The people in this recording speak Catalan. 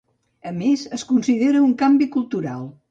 A més, es considera un "canvi cultural".